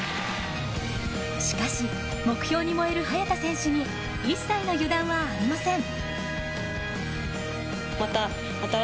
しかし目標に燃える早田選手に一切の油断はありません。